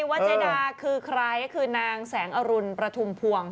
ก็เลยว่าใจดาคือใครเนี่ยคือนางแสงอรุณพระถุ้มพวง